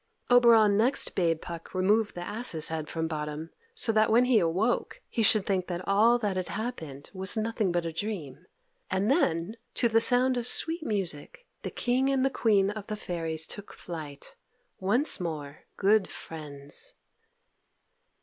Oberon next bade Puck remove the ass's head from Bottom, so that when he awoke he should think that all that had happened was nothing but a dream, and then, to the sound of sweet music, the King and the Queen of the Fairies took flight, once more good friends.